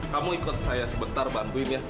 kamu ikut saya sebentar bantuin ya